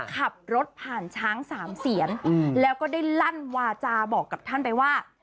ขับรถผ่านช้างสามเสียนแล้วก็ได้ลั่นวาจาบอกกับท่านไปว่า